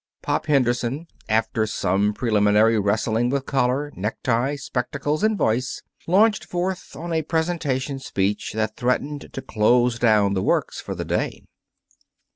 Pop Henderson, after some preliminary wrestling with collar, necktie, spectacles, and voice, launched forth on a presentation speech that threatened to close down the works for the day.